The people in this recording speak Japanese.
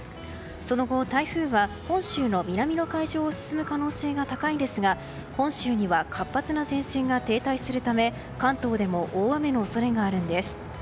その後、台風は本州の南の海上を進む可能性が高いですが本州には活発な前線が停滞するため関東でも大雨の恐れがあるんです。